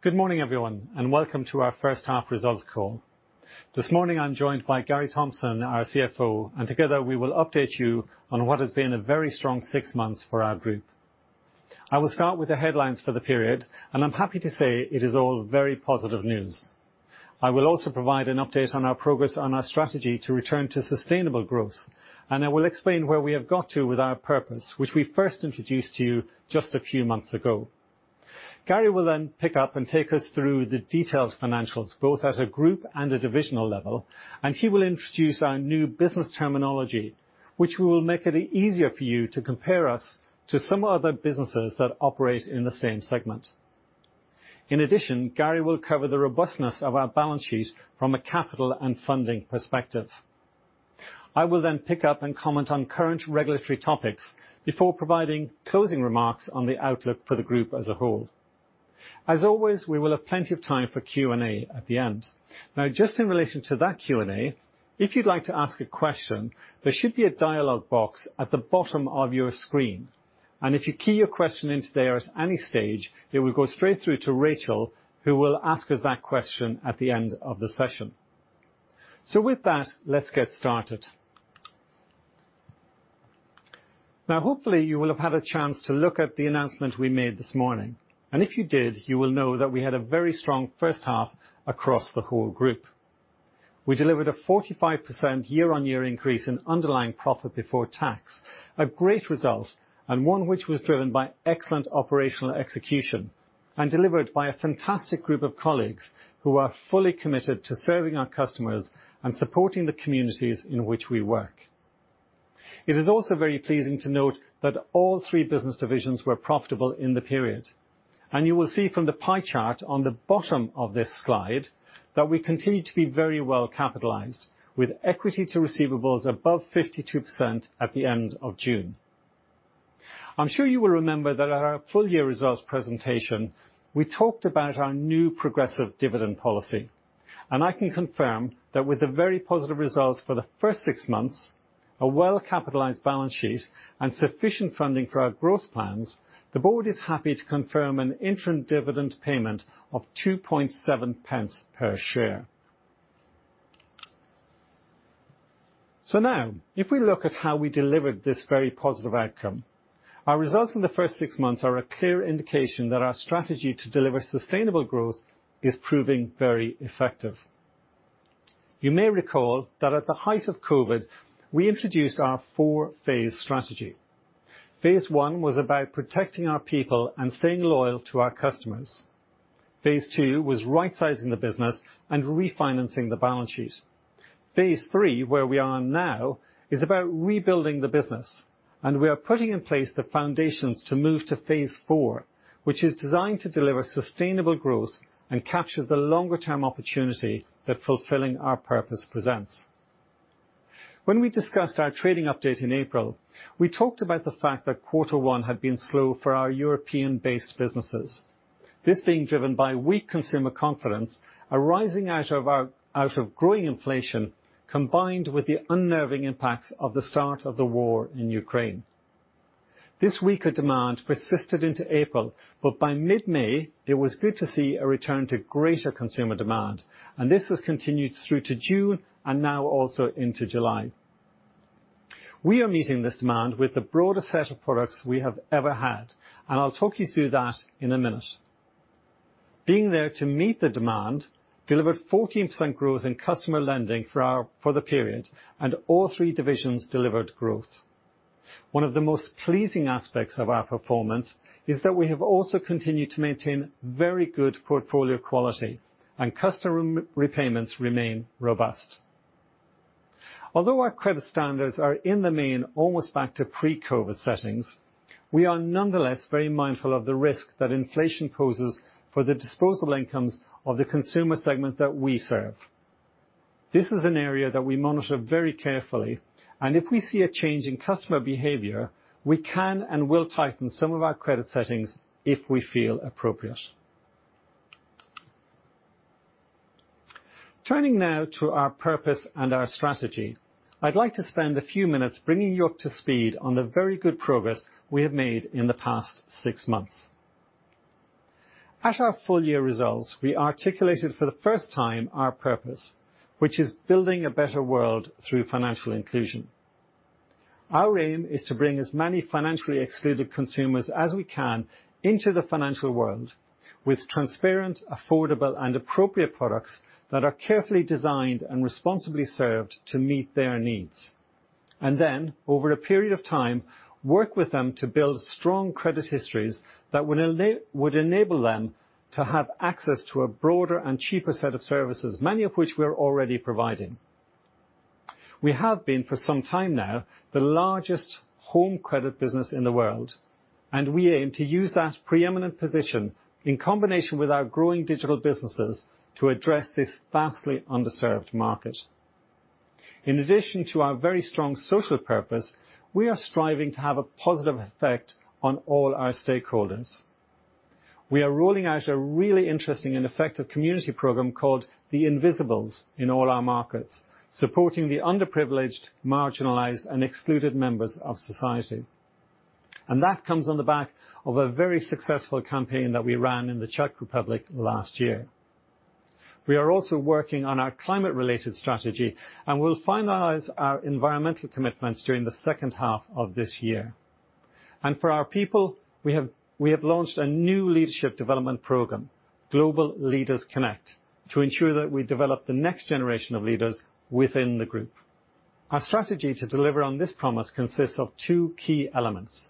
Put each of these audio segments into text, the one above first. Good morning, everyone, and welcome to our first half results call. This morning I'm joined by Gary Thompson, our CFO, and together we will update you on what has been a very strong six months for our group. I will start with the headlines for the period, and I'm happy to say it is all very positive news. I will also provide an update on our progress on our strategy to return to sustainable growth. I will explain where we have got to with our purpose, which we first introduced to you just a few months ago. Gary will then pick up and take us through the detailed financials, both at a group and a divisional level, and he will introduce our new business terminology, which will make it easier for you to compare us to some other businesses that operate in the same segment. In addition, Gary will cover the robustness of our balance sheet from a capital and funding perspective. I will then pick up and comment on current regulatory topics before providing closing remarks on the outlook for the group as a whole. As always, we will have plenty of time for Q&A at the end. Now, just in relation to that Q&A, if you'd like to ask a question, there should be a dialog box at the bottom of your screen. And if you key your question into there at any stage, it will go straight through to Rachel, who will ask us that question at the end of the session. With that, let's get started. Now, hopefully you will have had a chance to look at the announcement we made this morning, and if you did, you will know that we had a very strong first half across the whole group. We delivered a 45% year-on-year increase in underlying profit before tax. A great result, and one which was driven by excellent operational execution and delivered by a fantastic group of colleagues who are fully committed to serving our customers and supporting the communities in which we work. It is also very pleasing to note that all three business divisions were profitable in the period. You will see from the pie chart on the bottom of this slide that we continue to be very well capitalized, with equity to receivables above 52% at the end of June. I'm sure you will remember that at our full year results presentation, we talked about our new progressive dividend policy. I can confirm that with the very positive results for the first six months, a well-capitalized balance sheet and sufficient funding for our growth plans, the board is happy to confirm an interim dividend payment of 2.7 pence per share. Now if we look at how we delivered this very positive outcome, our results in the first six months are a clear indication that our strategy to deliver sustainable growth is proving very effective. You may recall that at the height of COVID we introduced our four-phase strategy. Phase one was about protecting our people and staying loyal to our customers. Phase two was rightsizing the business and refinancing the balance sheet. Phase three, where we are now, is about rebuilding the business, and we are putting in place the foundations to move to phase four, which is designed to deliver sustainable growth and capture the longer-term opportunity that fulfilling our purpose presents. When we discussed our trading update in April, we talked about the fact that quarter one had been slow for our European-based businesses. This being driven by weak consumer confidence arising out of growing inflation, combined with the unnerving impacts of the start of the war in Ukraine. This weaker demand persisted into April, but by mid-May it was good to see a return to greater consumer demand. This has continued through to June and now also into July. We are meeting this demand with the broadest set of products we have ever had, and I'll talk you through that in a minute. Being there to meet the demand delivered 14% growth in customer lending for the period and all three divisions delivered growth. One of the most pleasing aspects of our performance is that we have also continued to maintain very good portfolio quality and customer repayments remain robust. Although our credit standards are in the main almost back to pre-COVID settings, we are nonetheless very mindful of the risk that inflation poses for the disposable incomes of the consumer segment that we serve. This is an area that we monitor very carefully, and if we see a change in customer behavior, we can and will tighten some of our credit settings if we feel appropriate. Turning now to our purpose and our strategy, I'd like to spend a few minutes bringing you up to speed on the very good progress we have made in the past six months. At our full year results, we articulated for the first time our purpose, which is building a better world through financial inclusion. Our aim is to bring as many financially excluded consumers as we can into the financial world with transparent, affordable, and appropriate products that are carefully designed and responsibly served to meet their needs, and then over a period of time, work with them to build strong credit histories that would enable them to have access to a broader and cheaper set of services, many of which we are already providing. We have been for some time now the largest home credit business in the world, and we aim to use that preeminent position in combination with our growing digital businesses to address this vastly underserved market. In addition to our very strong social purpose, we are striving to have a positive effect on all our stakeholders. We are rolling out a really interesting and effective community program called The Invisibles in all our markets, supporting the underprivileged, marginalized and excluded members of society. That comes on the back of a very successful campaign that we ran in the Czech Republic last year. We are also working on our climate-related strategy, and we'll finalize our environmental commitments during the second half of this year. For our people, we have launched a new leadership development program, Global Leaders Connect, to ensure that we develop the next generation of leaders within the group. Our strategy to deliver on this promise consists of two key elements.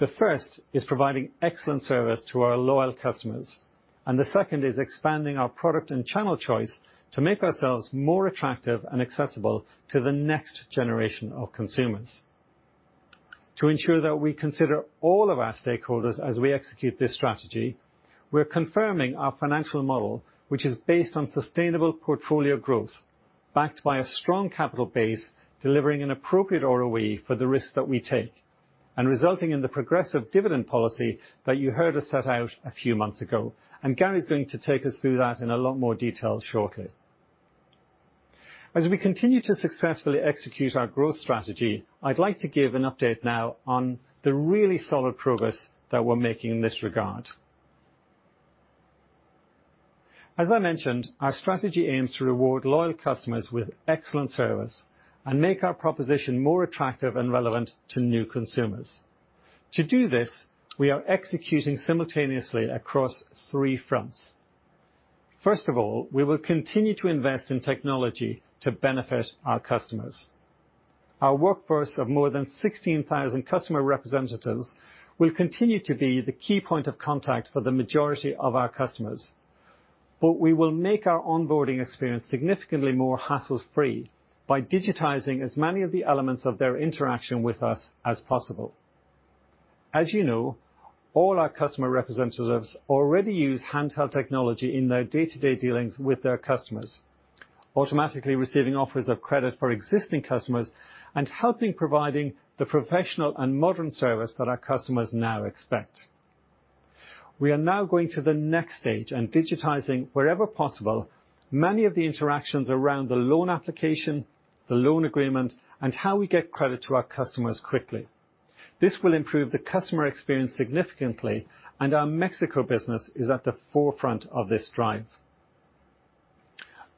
The first is providing excellent service to our loyal customers, and the second is expanding our product and channel choice to make ourselves more attractive and accessible to the next generation of consumers. To ensure that we consider all of our stakeholders as we execute this strategy, we're confirming our financial model which is based on sustainable portfolio growth, backed by a strong capital base, delivering an appropriate ROE for the risks that we take, and resulting in the progressive dividend policy that you heard us set out a few months ago. Gary's going to take us through that in a lot more detail shortly. As we continue to successfully execute our growth strategy, I'd like to give an update now on the really solid progress that we're making in this regard. As I mentioned, our strategy aims to reward loyal customers with excellent service and make our proposition more attractive and relevant to new consumers. To do this, we are executing simultaneously across three fronts. First of all, we will continue to invest in technology to benefit our customers. Our workforce of more than 16,000 customer representatives will continue to be the key point of contact for the majority of our customers. We will make our onboarding experience significantly more hassle-free by digitizing as many of the elements of their interaction with us as possible. As you know, all our customer representatives already use handheld technology in their day-to-day dealings with their customers, automatically receiving offers of credit for existing customers and help provide the professional and modern service that our customers now expect. We are now going to the next stage and digitizing wherever possible many of the interactions around the loan application, the loan agreement, and how we get credit to our customers quickly. This will improve the customer experience significantly, and our Mexico business is at the forefront of this drive.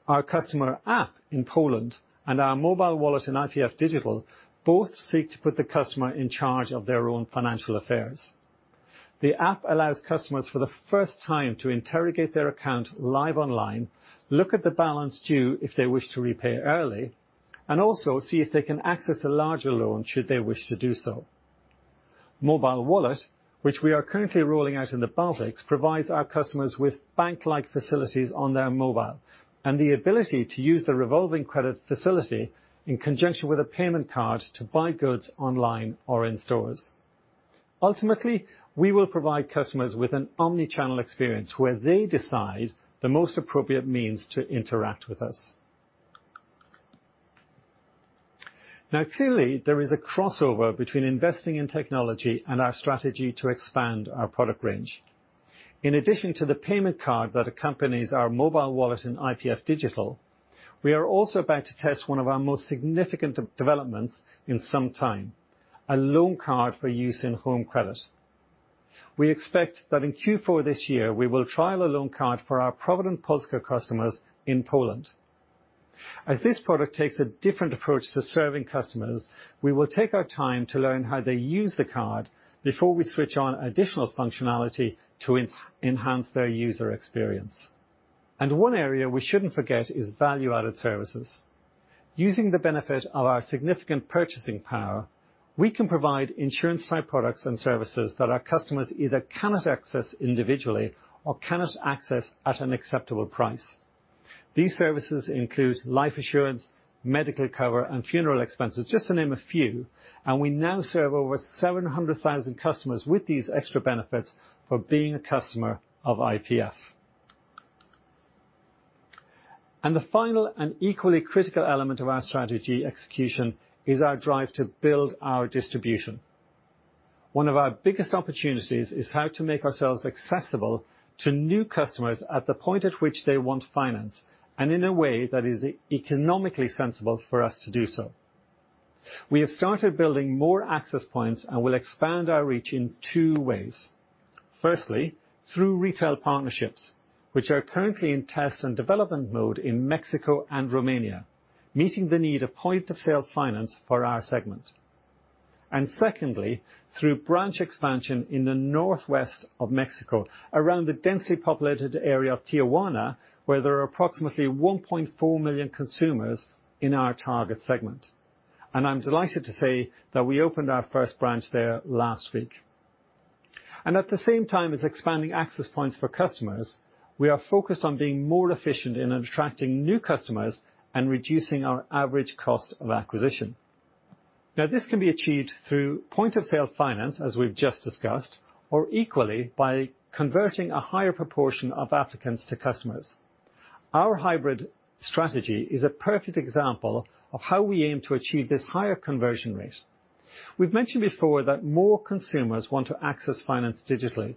Our customer app in Poland and our mobile wallet in IPF Digital both seek to put the customer in charge of their own financial affairs. The app allows customers for the first time to interrogate their account live online, look at the balance due if they wish to repay early, and also see if they can access a larger loan should they wish to do so. Mobile wallet, which we are currently rolling out in the Baltics, provides our customers with bank-like facilities on their mobile and the ability to use the revolving credit facility in conjunction with a payment card to buy goods online or in stores. Ultimately, we will provide customers with an omni-channel experience where they decide the most appropriate means to interact with us. Now, clearly, there is a crossover between investing in technology and our strategy to expand our product range. In addition to the payment card that accompanies our mobile wallet in IPF Digital, we are also about to test one of our most significant developments in some time, a loan card for use in home credit. We expect that in Q4 this year, we will trial a loan card for our Provident Polska customers in Poland. As this product takes a different approach to serving customers, we will take our time to learn how they use the card before we switch on additional functionality to enhance their user experience. One area we shouldn't forget is value-added services. Using the benefit of our significant purchasing power, we can provide insurance type products and services that our customers either cannot access individually or cannot access at an acceptable price. These services include life insurance, medical cover, and funeral expenses, just to name a few. We now serve over 700,000 customers with these extra benefits for being a customer of IPF. The final and equally critical element of our strategy execution is our drive to build our distribution. One of our biggest opportunities is how to make ourselves accessible to new customers at the point at which they want finance and in a way that is economically sensible for us to do so. We have started building more access points and will expand our reach in two ways. Firstly, through retail partnerships which are currently in test and development mode in Mexico and Romania, meeting the need of point-of-sale finance for our segment. Secondly, through branch expansion in the northwest of Mexico around the densely populated area of Tijuana, where there are approximately 1.4 million consumers in our target segment. I'm delighted to say that we opened our first branch there last week. At the same time as expanding access points for customers, we are focused on being more efficient in attracting new customers and reducing our average cost of acquisition. Now, this can be achieved through point-of-sale finance, as we've just discussed, or equally by converting a higher proportion of applicants to customers. Our hybrid strategy is a perfect example of how we aim to achieve this higher conversion rate. We've mentioned before that more consumers want to access finance digitally.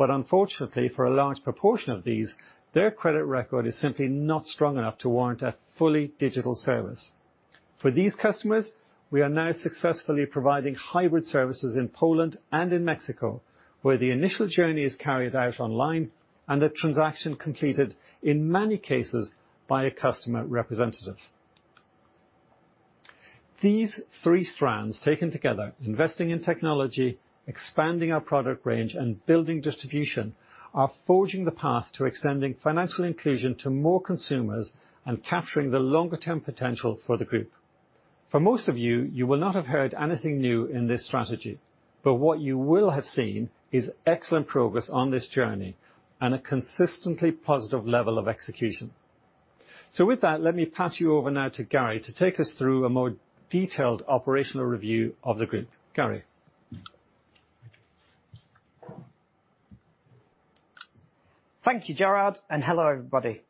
Unfortunately for a large proportion of these, their credit record is simply not strong enough to warrant a fully digital service. For these customers, we are now successfully providing hybrid services in Poland and in Mexico, where the initial journey is carried out online and the transaction completed, in many cases, by a customer representative. These three strands taken together, investing in technology, expanding our product range, and building distribution, are forging the path to extending financial inclusion to more consumers and capturing the longer-term potential for the group. For most of you will not have heard anything new in this strategy, but what you will have seen is excellent progress on this journey and a consistently positive level of execution. With that, let me pass you over now to Gary to take us through a more detailed operational review of the group. Gary? Thank you, Gerard, and hello, everybody.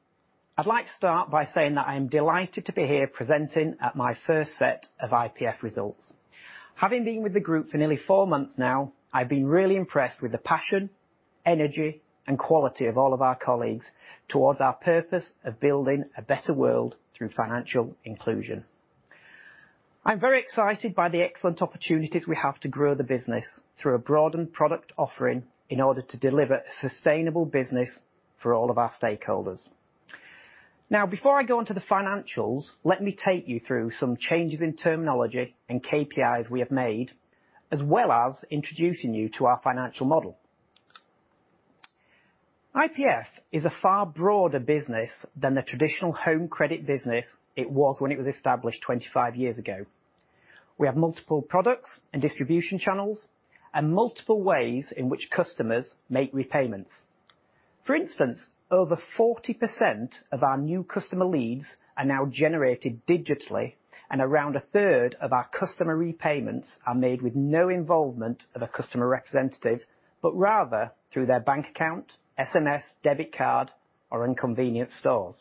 I'd like to start by saying that I am delighted to be here presenting at my first set of IPF results. Having been with the group for nearly four months now, I've been really impressed with the passion, energy, and quality of all of our colleagues towards our purpose of building a better world through financial inclusion. I'm very excited by the excellent opportunities we have to grow the business through a broadened product offering in order to deliver a sustainable business for all of our stakeholders. Now, before I go into the financials, let me take you through some changes in terminology and KPIs we have made, as well as introducing you to our financial model. IPF is a far broader business than the traditional home credit business it was when it was established 25 years ago. We have multiple products and distribution channels, and multiple ways in which customers make repayments. For instance, over 40% of our new customer leads are now generated digitally, and around a third of our customer repayments are made with no involvement of a customer representative, but rather through their bank account, SMS, debit card, or in convenience stores.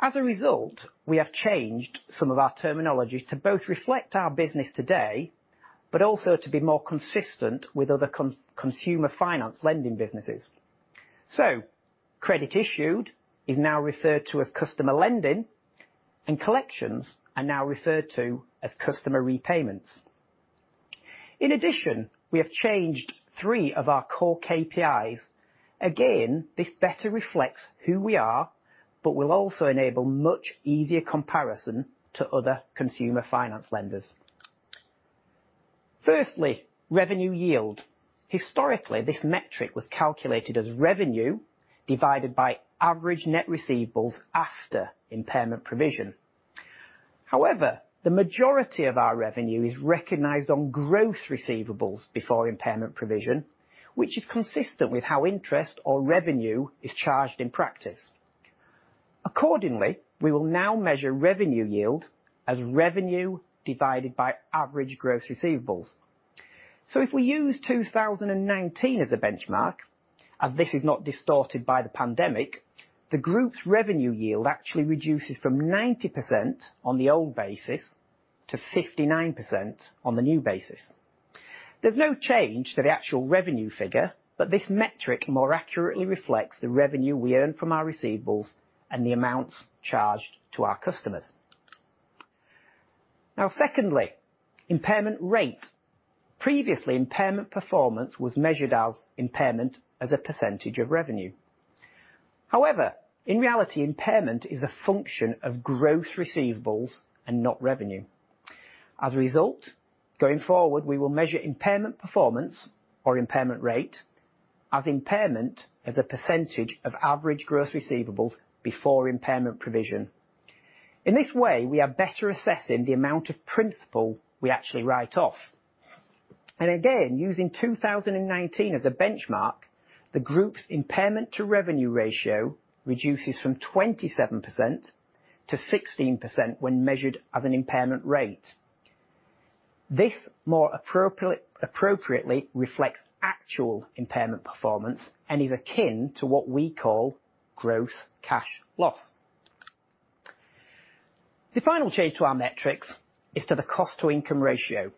As a result, we have changed some of our terminology to both reflect our business today, but also to be more consistent with other consumer finance lending businesses. Credit issued is now referred to as customer lending, and collections are now referred to as customer repayments. In addition, we have changed three of our core KPIs. Again, this better reflects who we are, but will also enable much easier comparison to other consumer finance lenders. Firstly, revenue yield. Historically, this metric was calculated as revenue divided by average net receivables after impairment provision. However, the majority of our revenue is recognized on gross receivables before impairment provision, which is consistent with how interest or revenue is charged in practice. Accordingly, we will now measure revenue yield as revenue divided by average gross receivables. If we use 2019 as a benchmark, as this is not distorted by the pandemic, the group's revenue yield actually reduces from 90% on the old basis to 59% on the new basis. There's no change to the actual revenue figure, but this metric more accurately reflects the revenue we earn from our receivables and the amounts charged to our customers. Now secondly, impairment rate. Previously, impairment performance was measured as impairment as a percentage of revenue. However, in reality, impairment is a function of gross receivables and not revenue. As a result, going forward, we will measure impairment performance or impairment rate as impairment as a percentage of average gross receivables before impairment provision. In this way, we are better assessing the amount of principal we actually write off. Again, using 2019 as a benchmark, the group's impairment to revenue ratio reduces from 27% to 16% when measured as an impairment rate. This more appropriately reflects actual impairment performance and is akin to what we call gross cash loss. The final change to our metrics is to the cost to income ratio.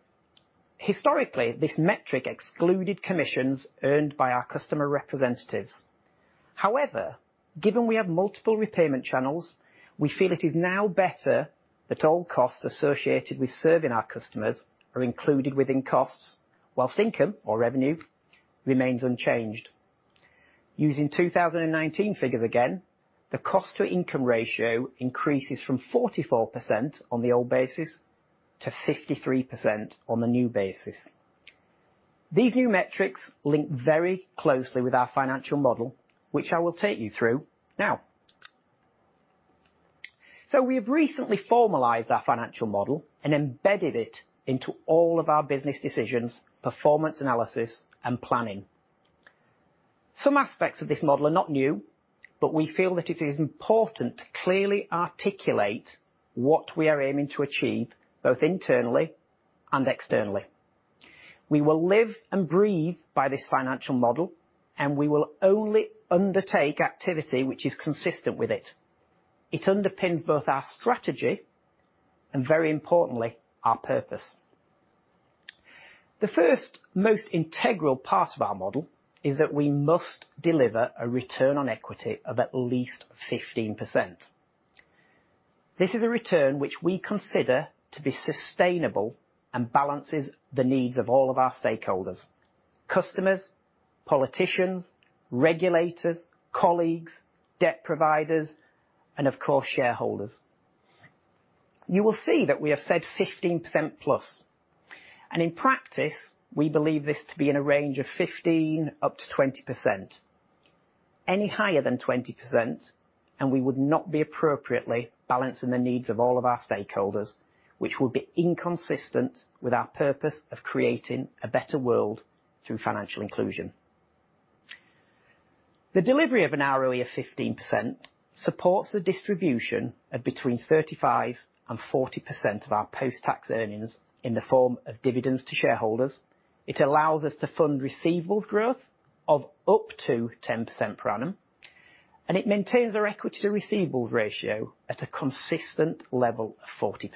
Historically, this metric excluded commissions earned by our customer representatives. However, given we have multiple repayment channels, we feel it is now better that all costs associated with serving our customers are included within costs, while income or revenue remains unchanged. Using 2019 figures again, the cost to income ratio increases from 44% on the old basis to 53% on the new basis. These new metrics link very closely with our financial model, which I will take you through now. We have recently formalized our financial model and embedded it into all of our business decisions, performance analysis, and planning. Some aspects of this model are not new, but we feel that it is important to clearly articulate what we are aiming to achieve both internally and externally. We will live and breathe by this financial model, and we will only undertake activity which is consistent with it. It underpins both our strategy and, very importantly, our purpose. The first most integral part of our model is that we must deliver a return on equity of at least 15%. This is a return which we consider to be sustainable and balances the needs of all of our stakeholders, customers, politicians, regulators, colleagues, debt providers, and of course, shareholders. You will see that we have said 15%+, and in practice, we believe this to be in a range of 15%-20%. Any higher than 20%, and we would not be appropriately balancing the needs of all of our stakeholders, which would be inconsistent with our purpose of creating a better world through financial inclusion. The delivery of an ROE of 15% supports the distribution of between 35% and 40% of our post-tax earnings in the form of dividends to shareholders. It allows us to fund receivables growth of up to 10% per annum, and it maintains our equity to receivables ratio at a consistent level of 40%.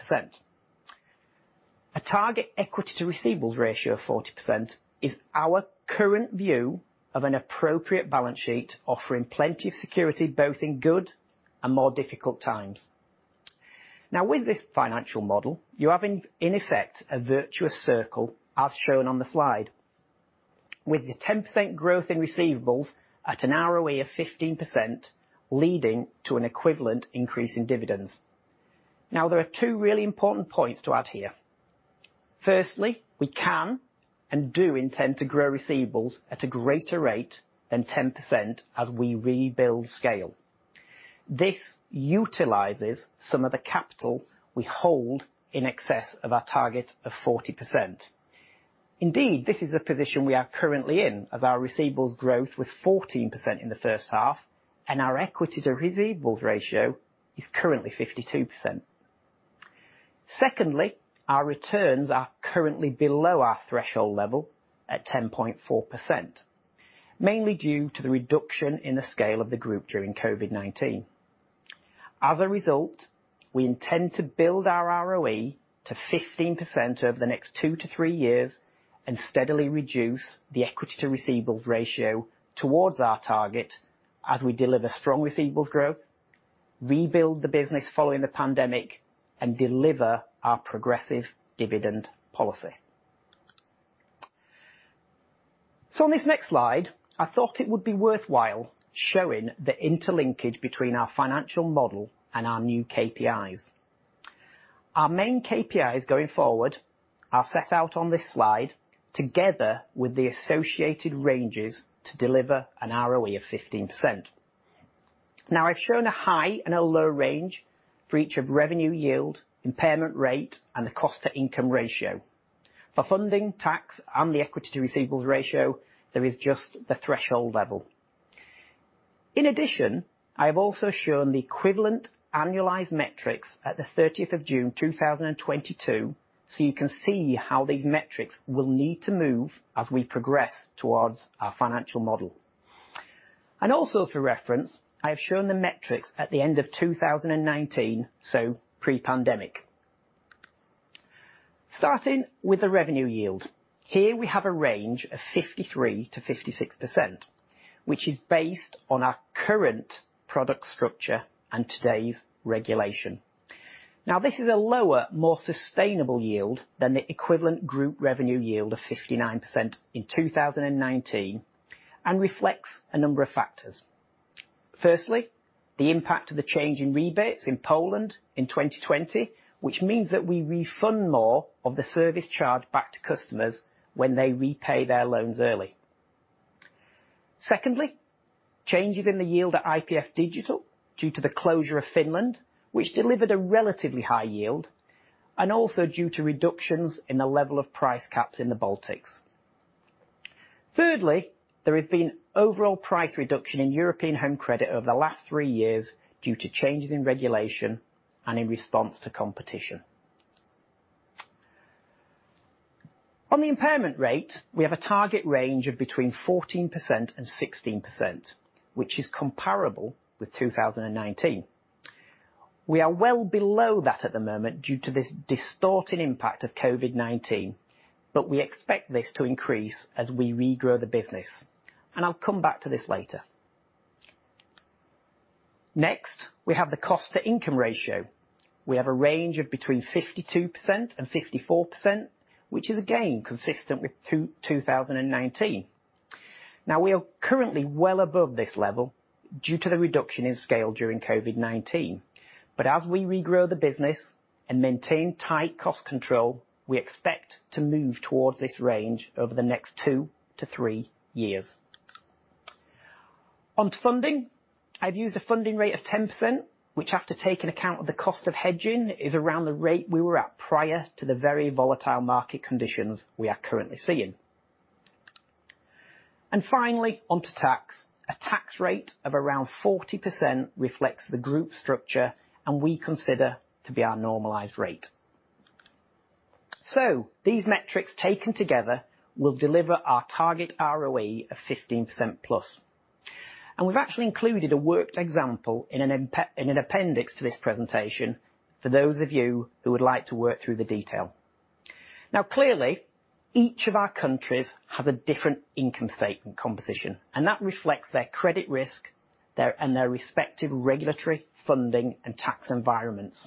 A target equity to receivables ratio of 40% is our current view of an appropriate balance sheet, offering plenty of security, both in good and more difficult times. Now, with this financial model, you have in effect a virtuous circle, as shown on the slide, with the 10% growth in receivables at an ROE of 15% leading to an equivalent increase in dividends. Now, there are two really important points to add here. Firstly, we can and do intend to grow receivables at a greater rate than 10% as we rebuild scale. This utilizes some of the capital we hold in excess of our target of 40%. Indeed, this is the position we are currently in as our receivables growth was 14% in the first half, and our equity to receivables ratio is currently 52%. Secondly, our returns are currently below our threshold level at 10.4%, mainly due to the reduction in the scale of the group during COVID-19. As a result, we intend to build our ROE to 15% over the next two-three years and steadily reduce the equity to receivables ratio towards our target as we deliver strong receivables growth, rebuild the business following the pandemic, and deliver our progressive dividend policy. On this next slide, I thought it would be worthwhile showing the interlinkage between our financial model and our new KPIs. Our main KPIs going forward are set out on this slide together with the associated ranges to deliver an ROE of 15%. Now, I've shown a high and a low range for each of revenue yield, impairment rate, and the cost to income ratio. For funding, tax, and the equity to receivables ratio, there is just the threshold level. In addition, I have also shown the equivalent annualized metrics at the 30th of June, 2022, so you can see how these metrics will need to move as we progress towards our financial model. Also, for reference, I have shown the metrics at the end of 2019, so pre-pandemic. Starting with the revenue yield. Here we have a range of 53%-56%, which is based on our current product structure and today's regulation. Now, this is a lower, more sustainable yield than the equivalent group revenue yield of 59% in 2019 and reflects a number of factors. Firstly, the impact of the change in rebates in Poland in 2020, which means that we refund more of the service charge back to customers when they repay their loans early. Secondly, changes in the yield at IPF Digital due to the closure of Finland, which delivered a relatively high yield, and also due to reductions in the level of price caps in the Baltics. Thirdly, there has been overall price reduction in European home credit over the last three years due to changes in regulation and in response to competition. On the impairment rate, we have a target range of between 14% and 16%, which is comparable with 2019. We are well below that at the moment due to this distorting impact of COVID-19, but we expect this to increase as we regrow the business, and I'll come back to this later. Next, we have the cost to income ratio. We have a range of between 52% and 54%, which is again consistent with 2019. Now, we are currently well above this level due to the reduction in scale during COVID-19. But as we regrow the business and maintain tight cost control, we expect to move towards this range over the next two-three years. On to funding. I've used a funding rate of 10%, which after taking account of the cost of hedging, is around the rate we were at prior to the very volatile market conditions we are currently seeing. Finally, onto tax. A tax rate of around 40% reflects the group structure, and we consider to be our normalized rate. These metrics taken together will deliver our target ROE of 15%+. We've actually included a worked example in an appendix to this presentation for those of you who would like to work through the detail. Now, clearly, each of our countries has a different income statement composition, and that reflects their credit risk and their respective regulatory funding and tax environments.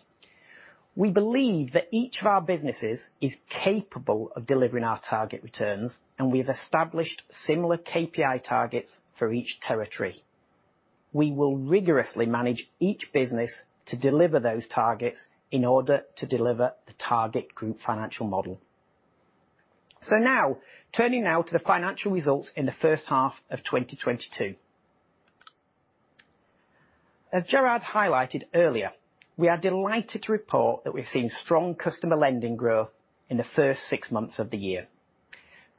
We believe that each of our businesses is capable of delivering our target returns, and we've established similar KPI targets for each territory. We will rigorously manage each business to deliver those targets in order to deliver the target group financial model. Now, turning to the financial results in the first half of 2022. As Gerard highlighted earlier, we are delighted to report that we've seen strong customer lending growth in the first six months of the year.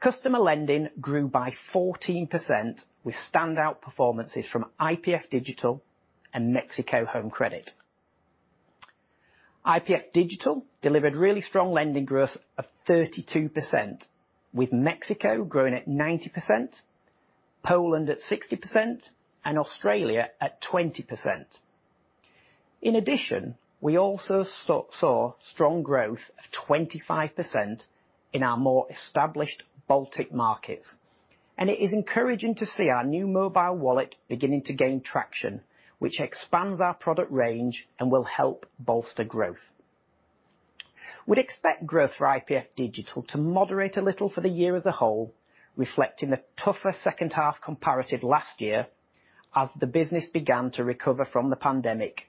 Customer lending grew by 14% with standout performances from IPF Digital and Mexico home credit. IPF Digital delivered really strong lending growth of 32%, with Mexico growing at 90%, Poland at 60%, and Australia at 20%. In addition, we also saw strong growth of 25% in our more established Baltic markets. It is encouraging to see our new mobile wallet beginning to gain traction, which expands our product range and will help bolster growth. We'd expect growth for IPF Digital to moderate a little for the year as a whole, reflecting the tougher second half comparative last year as the business began to recover from the pandemic.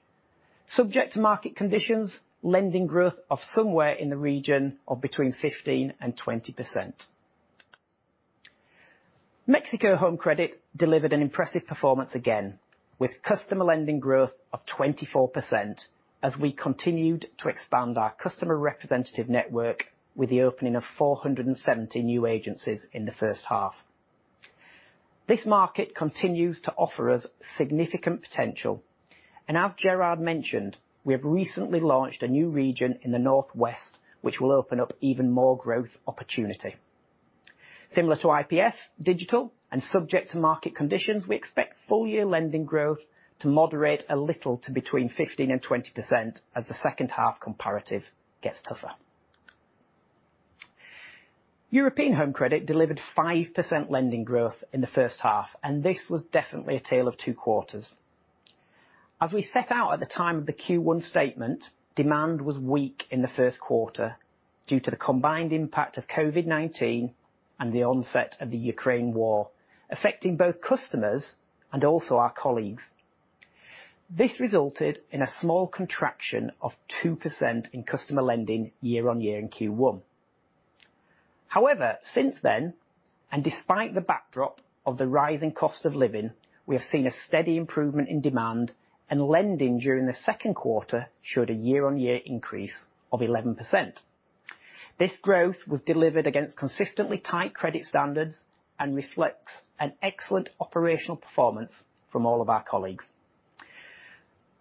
Subject to market conditions, lending growth of somewhere in the region of between 15% and 20%. Mexico home credit delivered an impressive performance again, with customer lending growth of 24% as we continued to expand our customer representative network with the opening of 470 new agencies in the first half. This market continues to offer us significant potential. As Gerard mentioned, we have recently launched a new region in the Northwest, which will open up even more growth opportunity. Similar to IPF Digital and subject to market conditions, we expect full year lending growth to moderate a little to between 15% and 20% as the second half comparative gets tougher. European home credit delivered 5% lending growth in the first half, and this was definitely a tale of two quarters. As we set out at the time of the Q1 statement, demand was weak in the first quarter due to the combined impact of COVID-19 and the onset of the Ukraine war, affecting both customers and also our colleagues. This resulted in a small contraction of 2% in customer lending year-on-year in Q1. However, since then, and despite the backdrop of the rising cost of living, we have seen a steady improvement in demand and lending during the second quarter showed a year-on-year increase of 11%. This growth was delivered against consistently tight credit standards and reflects an excellent operational performance from all of our colleagues.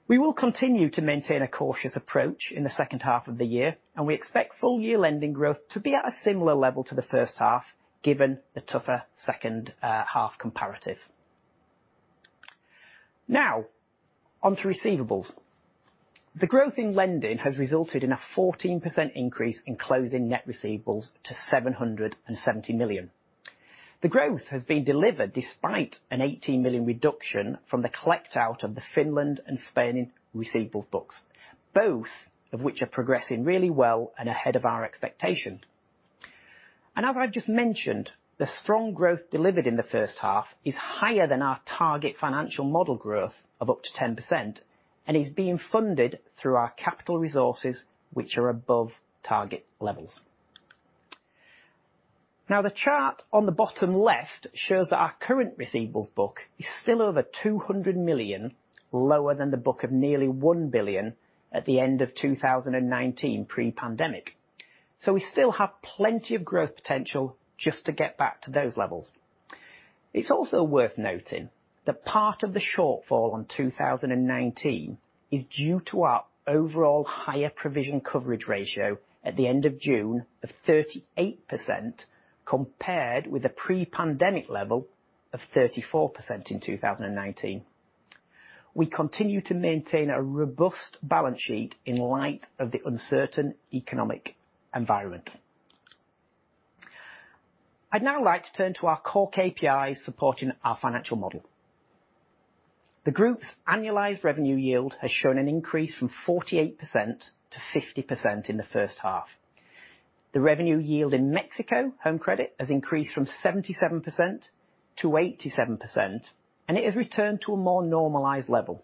We will continue to maintain a cautious approach in the second half of the year, and we expect full year lending growth to be at a similar level to the first half, given the tougher second half comparative. Now, onto receivables. The growth in lending has resulted in a 14% increase in closing net receivables to 770 million. The growth has been delivered despite an 18 million reduction from the collect out of the Finland and Spain receivables books, both of which are progressing really well and ahead of our expectation. As I just mentioned, the strong growth delivered in the first half is higher than our target financial model growth of up to 10% and is being funded through our capital resources which are above target levels. Now, the chart on the bottom left shows that our current receivables book is still over 200 million, lower than the book of nearly 1 billion at the end of 2019 pre-pandemic. We still have plenty of growth potential just to get back to those levels. It's also worth noting that part of the shortfall on 2019 is due to our overall higher provision coverage ratio at the end of June of 38%, compared with a pre-pandemic level of 34% in 2019. We continue to maintain a robust balance sheet in light of the uncertain economic environment. I'd now like to turn to our core KPIs supporting our financial model. The group's annualized revenue yield has shown an increase from 48% to 50% in the first half. The revenue yield in Mexico home credit has increased from 77% to 87%, and it has returned to a more normalized level.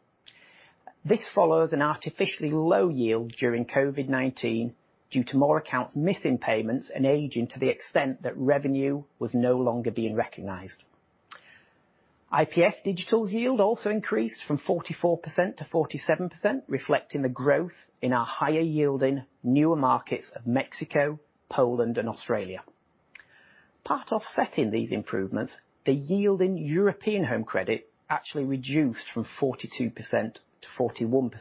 This follows an artificially low yield during COVID-19 due to more accounts missing payments and aging to the extent that revenue was no longer being recognized. IPF Digital's yield also increased from 44% to 47%, reflecting the growth in our higher yielding newer markets of Mexico, Poland and Australia. Part offsetting these improvements, the yield in European home credit actually reduced from 42% to 41%.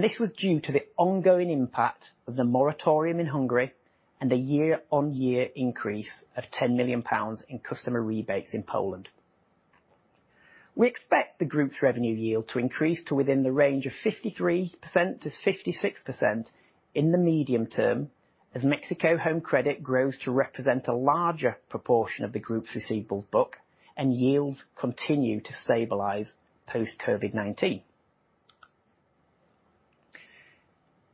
This was due to the ongoing impact of the moratorium in Hungary, and a year-on-year increase of 10 million pounds in customer rebates in Poland. We expect the group's revenue yield to increase to within the range of 53%-56% in the medium term as Mexico home credit grows to represent a larger proportion of the group's receivables book and yields continue to stabilize post COVID-19.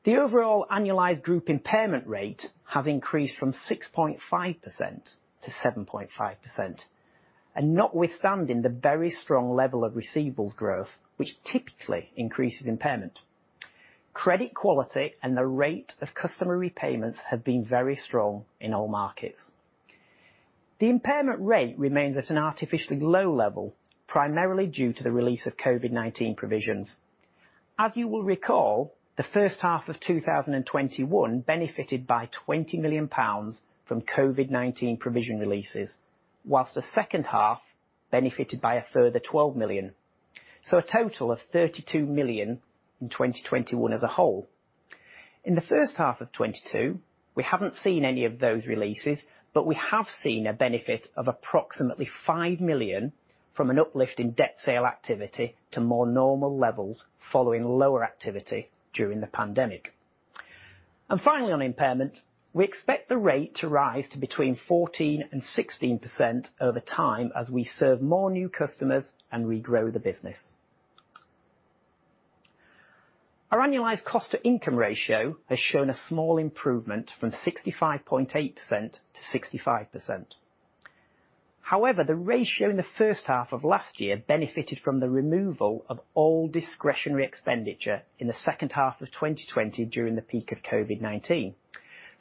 The overall annualized group impairment rate has increased from 6.5% to 7.5%. Notwithstanding the very strong level of receivables growth, which typically increases impairment. Credit quality and the rate of customer repayments have been very strong in all markets. The impairment rate remains at an artificially low level, primarily due to the release of COVID-19 provisions. As you will recall, the first half of 2021 benefited by GBP 20 million from COVID-19 provision releases, while the second half benefited by a further 12 million. A total of 32 million in 2021 as a whole. In the first half of 2022, we haven't seen any of those releases, but we have seen a benefit of approximately 5 million from an uplift in debt sale activity to more normal levels following lower activity during the pandemic. Finally, on impairment, we expect the rate to rise to between 14%-16% over time as we serve more new customers and regrow the business. Our annualized cost to income ratio has shown a small improvement from 65.8% to 65%. However, the ratio in the first half of last year benefited from the removal of all discretionary expenditure in the second half of 2020 during the peak of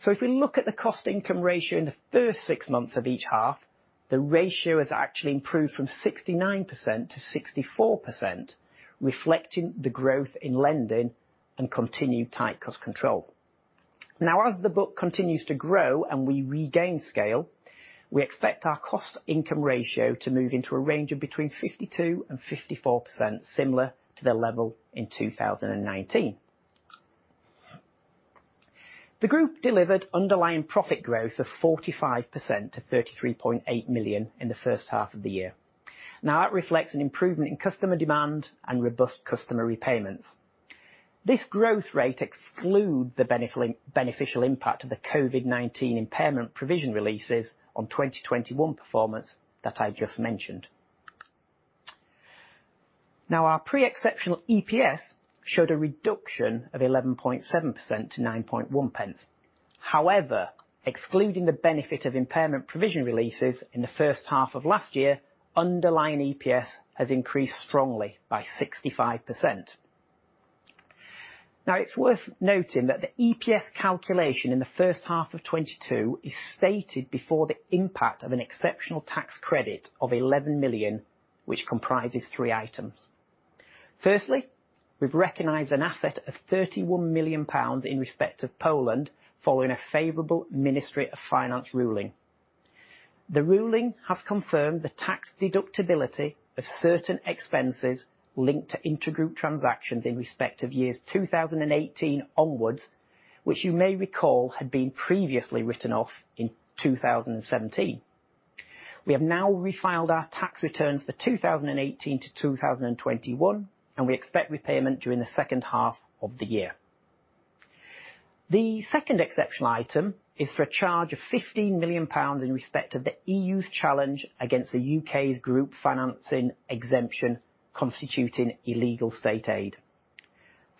COVID-19. If we look at the cost income ratio in the first six months of each half, the ratio has actually improved from 69% to 64%, reflecting the growth in lending and continued tight cost control. Now as the book continues to grow and we regain scale, we expect our cost income ratio to move into a range of between 52% and 54%, similar to the level in 2019. The group delivered underlying profit growth of 45% to 33.8 million in the first half of the year. Now that reflects an improvement in customer demand and robust customer repayments. This growth rate excludes the beneficial impact of the COVID-19 impairment provision releases on 2021 performance that I just mentioned. Now our pre-exceptional EPS showed a reduction of 11.7% to 9.1 pence. However, excluding the benefit of impairment provision releases in the first half of last year, underlying EPS has increased strongly by 65%. Now it's worth noting that the EPS calculation in the first half of 2022 is stated before the impact of an exceptional tax credit of 11 million, which comprises three items. Firstly, we've recognized an asset of 31 million pounds in respect of Poland following a favorable Ministry of Finance ruling. The ruling has confirmed the tax deductibility of certain expenses linked to intragroup transactions in respect of years 2018 onward, which you may recall had been previously written off in 2017. We have now refiled our tax returns for 2018 to 2021, and we expect repayment during the second half of the year. The second exceptional item is for a charge of 15 million pounds in respect of the EU's challenge against the U.K.'s Group Financing Exemption constituting illegal state aid.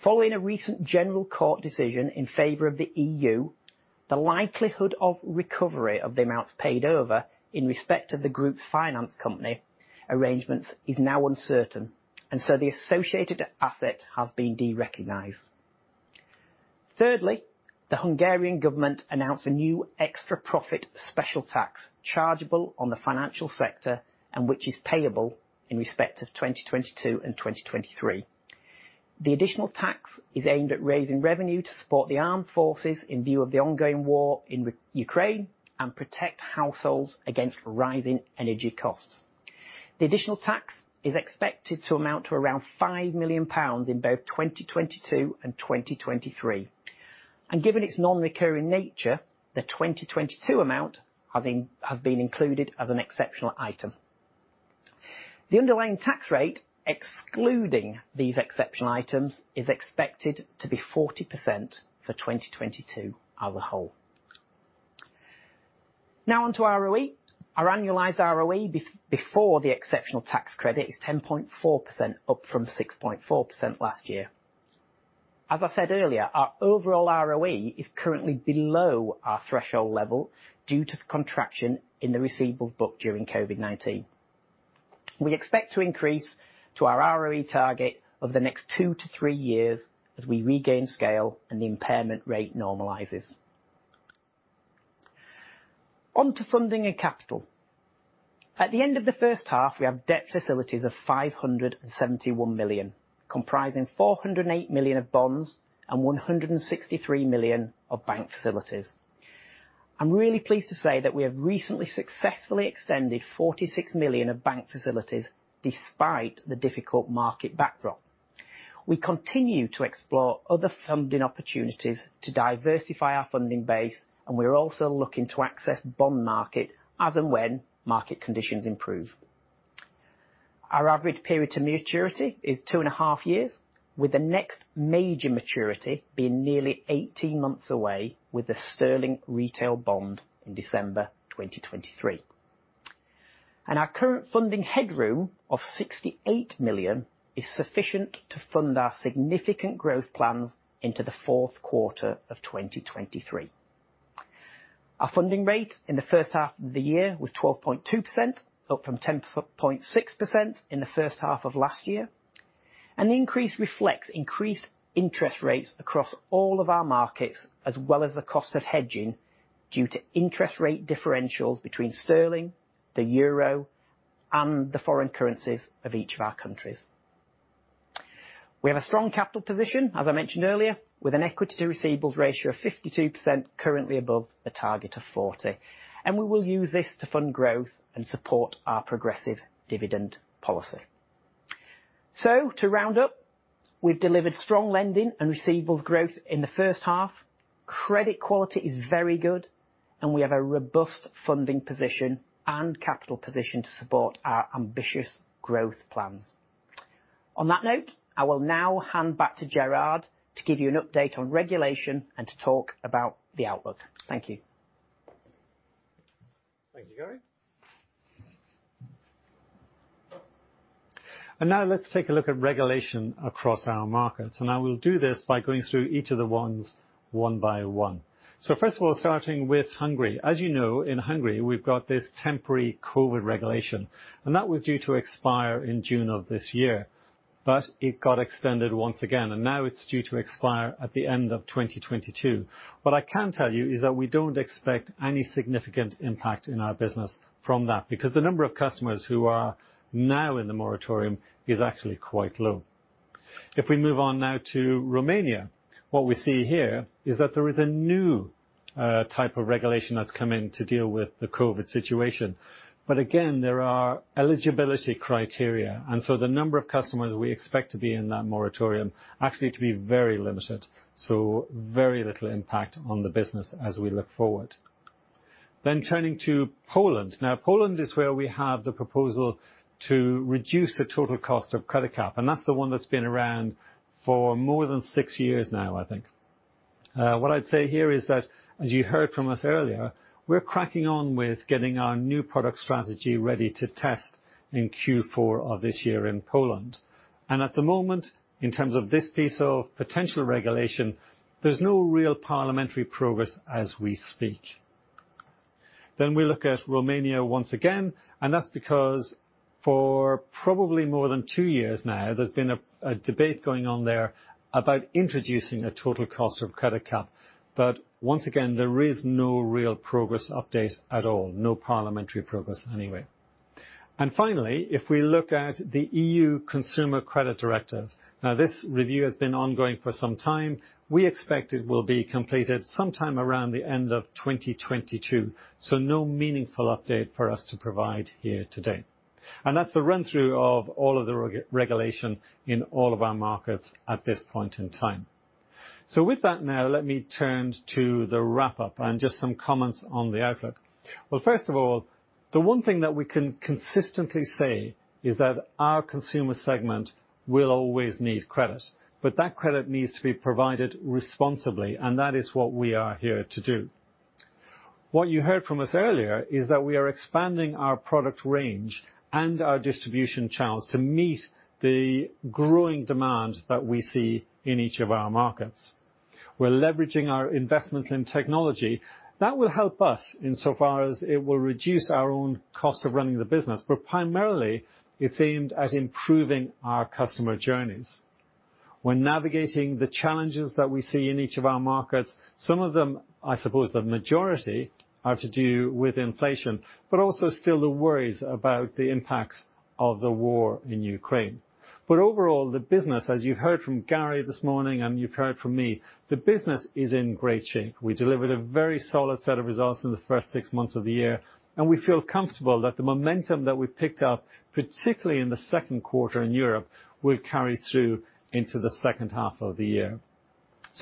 Following a recent general court decision in favor of the EU, the likelihood of recovery of the amounts paid over in respect of the group's finance company arrangements is now uncertain, and so the associated asset has been derecognized. Thirdly, the Hungarian government announced a new extra profit tax chargeable on the financial sector and which is payable in respect of 2022 and 2023. The additional tax is aimed at raising revenue to support the Armed Forces in view of the ongoing war in Ukraine and protect households against rising energy costs. The additional tax is expected to amount to around 5 million pounds in both 2022 and 2023. Given its non-recurring nature, the 2022 amount has been included as an exceptional item. The underlying tax rate, excluding these exceptional items, is expected to be 40% for 2022 as a whole. Now on to ROE. Our annualized ROE before the exceptional tax credit is 10.4%, up from 6.4% last year. As I said earlier, our overall ROE is currently below our threshold level due to the contraction in the receivables book during COVID-19. We expect to increase to our ROE target over the next two-three years as we regain scale and the impairment rate normalizes. On to funding and capital. At the end of the first half, we have debt facilities of 571 million, comprising 408 million of bonds and 163 million of bank facilities. I'm really pleased to say that we have recently successfully extended 46 million of bank facilities despite the difficult market backdrop. We continue to explore other funding opportunities to diversify our funding base, and we are also looking to access bond market as and when market conditions improve. Our average period to maturity is 2.5 years, with the next major maturity being nearly 18 months away with the sterling retail bond in December 2023. Our current funding headroom of 68 million is sufficient to fund our significant growth plans into the fourth quarter of 2023. Our funding rate in the first half of the year was 12.2%, up from 10.6% in the first half of last year. The increase reflects increased interest rates across all of our markets, as well as the cost of hedging due to interest rate differentials between sterling, the euro, and the foreign currencies of each of our countries. We have a strong capital position, as I mentioned earlier, with an equity to receivables ratio of 52% currently above the target of 40%. We will use this to fund growth and support our progressive dividend policy. To round up, we've delivered strong lending and receivables growth in the first half. Credit quality is very good, and we have a robust funding position and capital position to support our ambitious growth plans. On that note, I will now hand back to Gerard to give you an update on regulation and to talk about the outlook. Thank you. Thank you, Gary. Now let's take a look at regulation across our markets. I will do this by going through each of the ones one by one. First of all, starting with Hungary. As you know, in Hungary, we've got this temporary COVID regulation, and that was due to expire in June of this year, but it got extended once again, and now it's due to expire at the end of 2022. What I can tell you is that we don't expect any significant impact in our business from that, because the number of customers who are now in the moratorium is actually quite low. If we move on now to Romania, what we see here is that there is a new type of regulation that's come in to deal with the COVID situation. Again, there are eligibility criteria, and so the number of customers we expect to be in that moratorium actually to be very limited. Very little impact on the business as we look forward. Turning to Poland. Now Poland is where we have the proposal to reduce the total cost of credit cap, and that's the one that's been around for more than six years now, I think. What I'd say here is that, as you heard from us earlier, we're cracking on with getting our new product strategy ready to test in Q4 of this year in Poland. At the moment, in terms of this piece of potential regulation, there's no real parliamentary progress as we speak. We look at Romania once again, and that's because for probably more than two years now, there's been a debate going on there about introducing a total cost of credit cap. Once again, there is no real progress update at all. No parliamentary progress anyway. Finally, if we look at the EU Consumer Credit Directive. Now this review has been ongoing for some time. We expect it will be completed sometime around the end of 2022. No meaningful update for us to provide here today. That's the run through of all of the regulation in all of our markets at this point in time. With that now, let me turn to the wrap up and just some comments on the outlook. Well, first of all, the one thing that we can consistently say is that our consumer segment will always need credit, but that credit needs to be provided responsibly and that is what we are here to do. What you heard from us earlier is that we are expanding our product range and our distribution channels to meet the growing demand that we see in each of our markets. We're leveraging our investments in technology that will help us insofar as it will reduce our own cost of running the business. Primarily it's aimed at improving our customer journeys. We're navigating the challenges that we see in each of our markets. Some of them, I suppose the majority, are to do with inflation, but also still the worries about the impacts of the war in Ukraine. Overall, the business, as you heard from Gary this morning and you've heard from me, the business is in great shape. We delivered a very solid set of results in the first six months of the year, and we feel comfortable that the momentum that we picked up, particularly in the second quarter in Europe, will carry through into the second half of the year.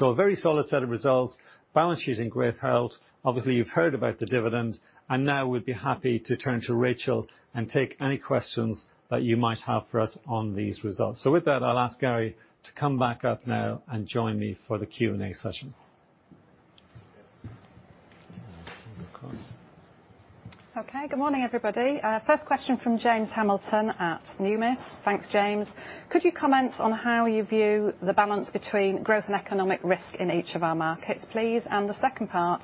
A very solid set of results. Balance sheet's in great health. Obviously, you've heard about the dividend, and now we'd be happy to turn to Rachel and take any questions that you might have for us on these results. With that, I'll ask Gary to come back up now and join me for the Q&A session. Of course. Okay. Good morning, everybody. First question from James Hamilton at Numis. Thanks, James. Could you comment on how you view the balance between growth and economic risk in each of our markets, please? The second part,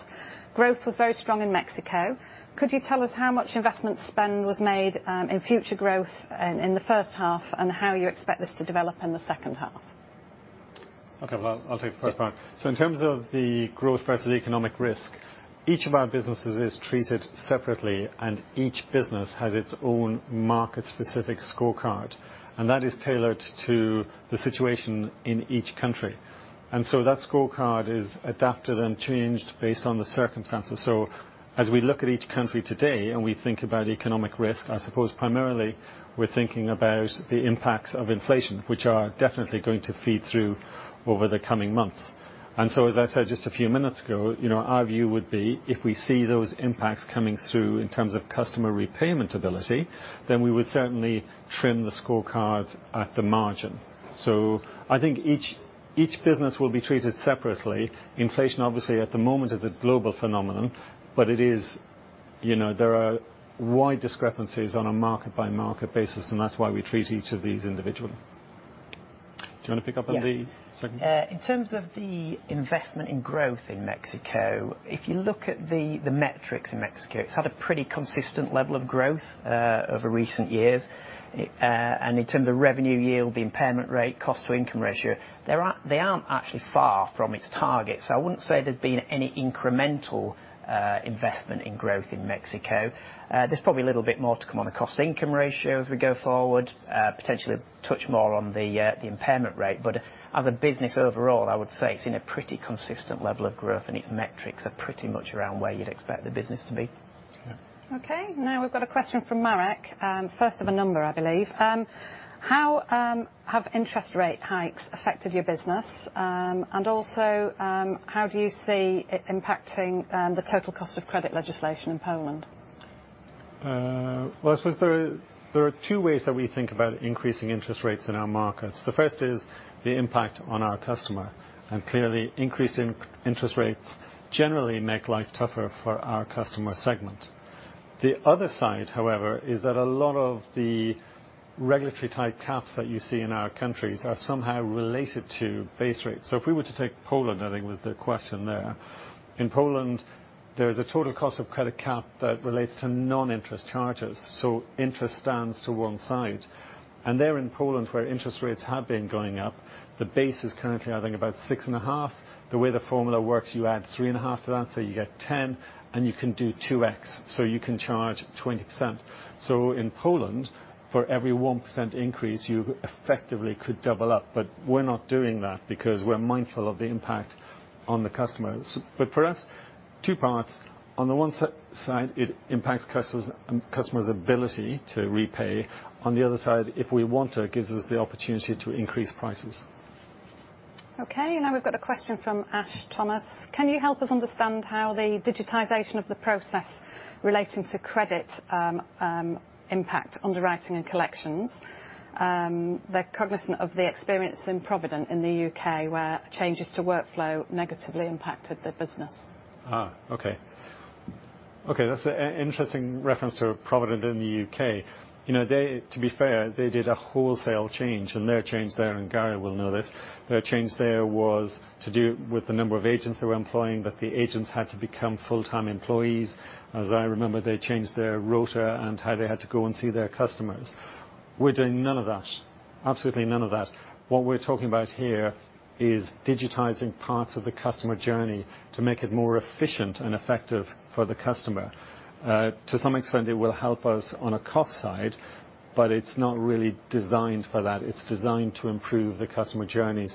growth was very strong in Mexico. Could you tell us how much investment spend was made, in future growth in the first half and how you expect this to develop in the second half? Okay. Well, I'll take the first part. In terms of the growth versus economic risk. Each of our businesses is treated separately, and each business has its own market-specific scorecard, and that is tailored to the situation in each country. That scorecard is adapted and changed based on the circumstances. As we look at each country today, and we think about economic risk, I suppose primarily we're thinking about the impacts of inflation, which are definitely going to feed through over the coming months. As I said just a few minutes ago, you know, our view would be if we see those impacts coming through in terms of customer repayment ability, then we would certainly trim the scorecards at the margin. I think each business will be treated separately. Inflation obviously at the moment is a global phenomenon, but it is, you know, there are wide discrepancies on a market by market basis, and that's why we treat each of these individually. Do you want to pick up on the second? Yeah. In terms of the investment in growth in Mexico, if you look at the metrics in Mexico, it's had a pretty consistent level of growth over recent years. In terms of revenue yield, the impairment rate, cost to income ratio, they aren't actually far from its target. I wouldn't say there's been any incremental investment in growth in Mexico. There's probably a little bit more to come on the cost to income ratio as we go forward, potentially touch more on the impairment rate. As a business overall, I would say it's in a pretty consistent level of growth, and its metrics are pretty much around where you'd expect the business to be. Yeah. Okay. Now we've got a question from Marek, first of a number, I believe. How have interest rate hikes affected your business? Also, how do you see it impacting the total cost of credit legislation in Poland? Well, I suppose there are two ways that we think about increasing interest rates in our markets. The first is the impact on our customer. Clearly, increasing interest rates generally make life tougher for our customer segment. The other side, however, is that a lot of the regulatory type caps that you see in our countries are somehow related to base rates. If we were to take Poland, I think was the question there. In Poland, there is a total cost of credit cap that relates to non-interest charges, so interest stands to one side. There in Poland where interest rates have been going up, the base is currently, I think about 6.5. The way the formula works, you add 3.5 to that, so you get 10, and you can do 2x, so you can charge 20%. In Poland, for every 1% increase, you effectively could double up. We're not doing that because we're mindful of the impact on the customers. For us, two parts. On the one side, it impacts customers' ability to repay. On the other side, if we want to, it gives us the opportunity to increase prices. Okay. Now we've got a question from Ash Thomas. Can you help us understand how the digitization of the process relating to credit impact underwriting and collections? They're cognizant of the experience in Provident Financial in the U.K. where changes to workflow negatively impacted their business. Okay, that's an interesting reference to Provident in the U.K. You know, they, to be fair, did a wholesale change, and their change there, and Gary will know this, their change there was to do with the number of agents they were employing, but the agents had to become full-time employees. As I remember, they changed their rota and how they had to go and see their customers. We're doing none of that. Absolutely none of that. What we're talking about here is digitizing parts of the customer journey to make it more efficient and effective for the customer. To some extent it will help us on a cost side, but it's not really designed for that. It's designed to improve the customer journey.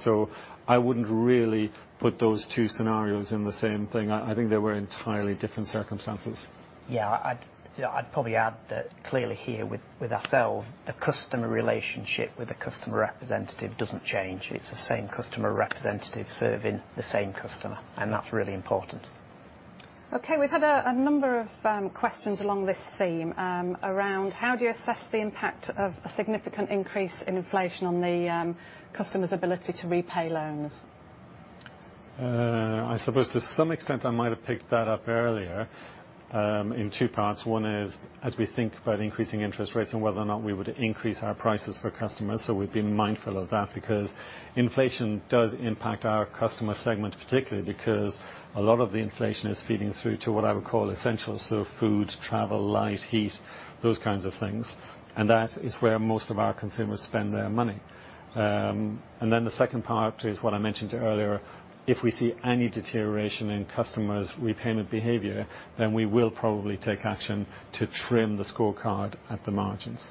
I wouldn't really put those two scenarios in the same thing. I think they were entirely different circumstances. I'd probably add that clearly here with ourselves, the customer relationship with the customer representative doesn't change. It's the same customer representative serving the same customer, and that's really important. Okay. We've had a number of questions along this theme around how do you assess the impact of a significant increase in inflation on the customer's ability to repay loans? I suppose to some extent I might have picked that up earlier, in two parts. One is as we think about increasing interest rates and whether or not we would increase our prices for customers. We've been mindful of that because inflation does impact our customer segment, particularly because a lot of the inflation is feeding through to what I would call essentials. Food, travel, light, heat, those kinds of things. That is where most of our consumers spend their money. The second part is what I mentioned earlier. If we see any deterioration in customers' repayment behavior, then we will probably take action to trim the scorecard at the margins.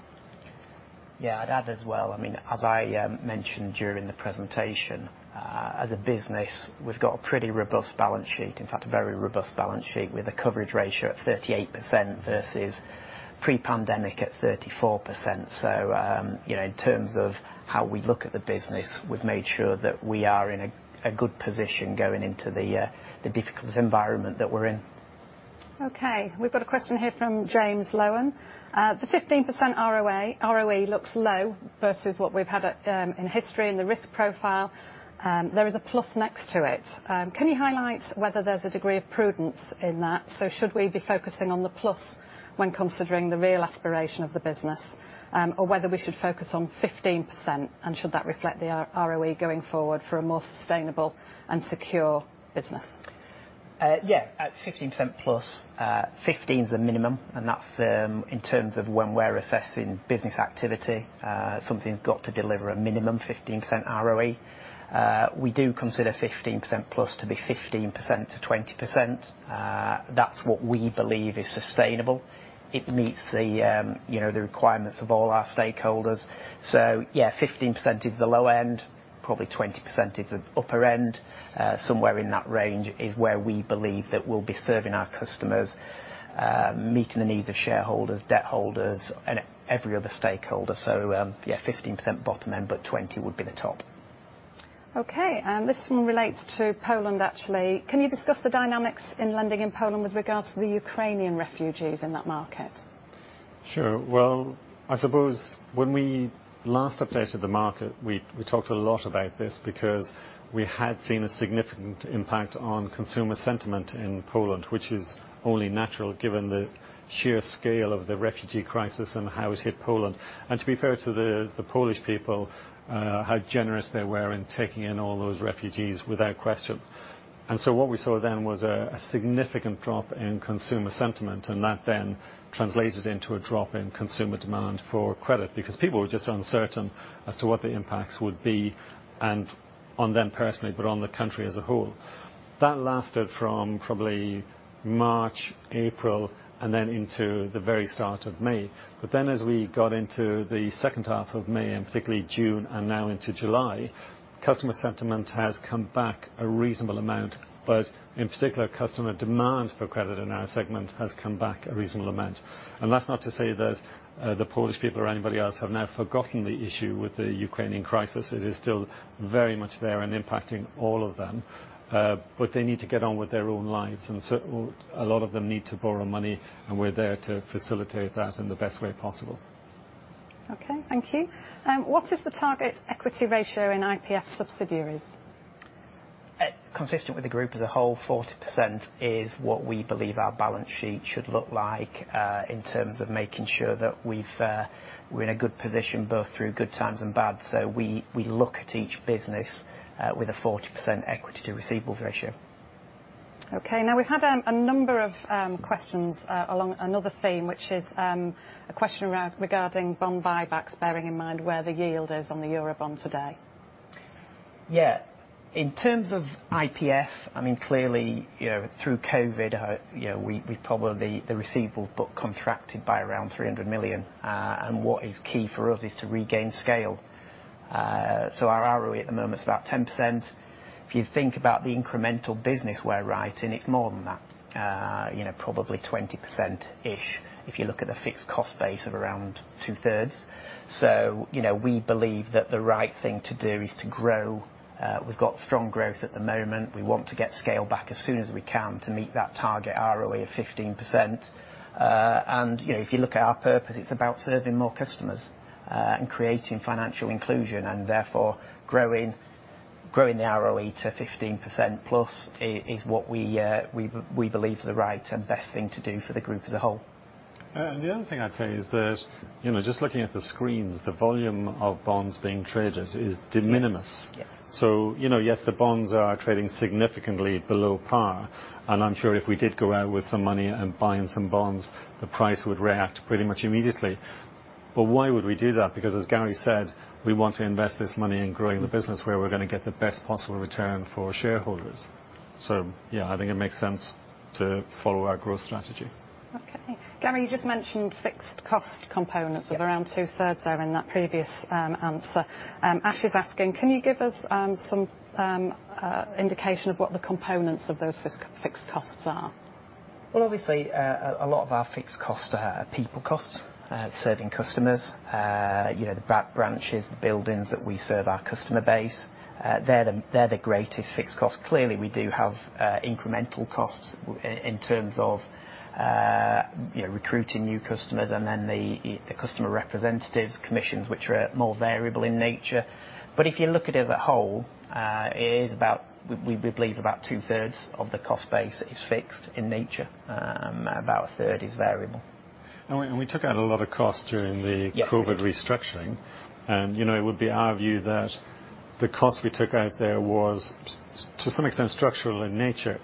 Yeah, I'd add as well, I mean, as I mentioned during the presentation, as a business, we've got a pretty robust balance sheet. In fact, a very robust balance sheet with a coverage ratio of 38% versus pre-pandemic at 34%. In terms of how we look at the business, we've made sure that we are in a good position going into the difficult environment that we're in. We've got a question here from James Loewen. The 15% ROA, ROE looks low versus what we've had in history and the risk profile. There is a plus next to it. Can you highlight whether there's a degree of prudence in that? Should we be focusing on the plus when considering the real aspiration of the business, or whether we should focus on 15%, and should that reflect the ROE going forward for a more sustainable and secure business? Yeah, at 15%+. 15 is the minimum, and that's in terms of when we're assessing business activity. Something's got to deliver a minimum 15% ROE. We do consider 15%+ to be 15%-20%. That's what we believe is sustainable. It meets the, you know, the requirements of all our stakeholders. Yeah, 15% is the low end, probably 20% is the upper end. Somewhere in that range is where we believe that we'll be serving our customers, meeting the needs of shareholders, debt holders and every other stakeholder. Yeah, 15% bottom end, 20% would be the top. Okay. This one relates to Poland, actually. Can you discuss the dynamics in lending in Poland with regards to the Ukrainian refugees in that market? Sure. Well, I suppose when we last updated the market, we talked a lot about this because we had seen a significant impact on consumer sentiment in Poland, which is only natural given the sheer scale of the refugee crisis and how it hit Poland. To be fair to the Polish people, how generous they were in taking in all those refugees without question. What we saw then was a significant drop in consumer sentiment, and that then translated into a drop in consumer demand for credit because people were just uncertain as to what the impacts would be and on them personally, but on the country as a whole. That lasted from probably March, April, and then into the very start of May. As we got into the second half of May and particularly June and now into July, customer sentiment has come back a reasonable amount. In particular, customer demand for credit in our segment has come back a reasonable amount. That's not to say that, the Polish people or anybody else have now forgotten the issue with the Ukrainian crisis. It is still very much there and impacting all of them. They need to get on with their own lives. A lot of them need to borrow money, and we're there to facilitate that in the best way possible. Okay. Thank you. What is the target equity ratio in IPF subsidiaries? Consistent with the group as a whole, 40% is what we believe our balance sheet should look like in terms of making sure that we're in a good position both through good times and bad. We look at each business with a 40% equity to receivables ratio. Okay. Now, we've had a number of questions along another theme, which is a question around regarding bond buybacks, bearing in mind where the yield is on the Eurobond today. Yeah. In terms of IPF, I mean, clearly, you know, through COVID, you know, the receivables book contracted by around 300 million. What is key for us is to regain scale. Our ROE at the moment is about 10%. If you think about the incremental business we're writing, it's more than that, you know, probably 20%-ish, if you look at the fixed cost base of around two-thirds. You know, we believe that the right thing to do is to grow. We've got strong growth at the moment. We want to get scale back as soon as we can to meet that target ROE of 15%. You know, if you look at our purpose, it's about serving more customers, and creating financial inclusion. Therefore, growing the ROE to 15%+ is what we believe is the right and best thing to do for the group as a whole. The other thing I'd say is that, you know, just looking at the screens, the volume of bonds being traded is de minimis. Yeah. You know, yes, the bonds are trading significantly below par, and I'm sure if we did go out with some money and buying some bonds, the price would react pretty much immediately. Why would we do that? Because as Gary said, we want to invest this money in growing the business where we're going to get the best possible return for shareholders. Yeah, I think it makes sense to follow our growth strategy. Okay. Gary, you just mentioned fixed cost components. Yeah. Of around two-thirds there in that previous answer. Ash is asking, "Can you give us some indication of what the components of those fixed costs are? Well, obviously, a lot of our fixed costs are people costs serving customers. You know, the branches, the buildings that we serve our customer base, they're the greatest fixed costs. Clearly, we do have incremental costs in terms of, you know, recruiting new customers and then the customer representatives commissions, which are more variable in nature. If you look at it as a whole, it is about, we believe about 2/3 of the cost base is fixed in nature, about a third is variable. We took out a lot of costs during the. Yes. Post-COVID restructuring. You know, it would be our view that the cost we took out there was to some extent structural in nature,